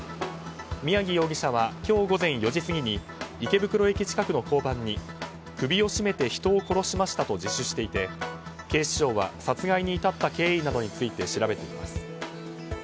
宮城容疑者は今日午前４時過ぎに池袋駅近くの交番に首を絞めて人を殺しましたと自首していて警視庁は殺害に至った経緯などについて調べています。